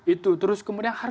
itu terus kemudian harus